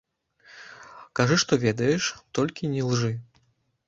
Кажы што ведаеш, толькі не лжы.